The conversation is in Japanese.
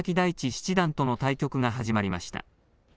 七段との対局が始まりました。